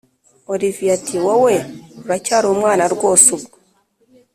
olivier ati”wowe uracyari umwana rwose ubwo